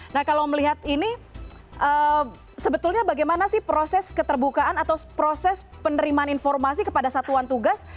nah kalau melihat ini sebetulnya bagaimana sih proses keterbukaan atau proses penerimaan informasi kepada satuan tugas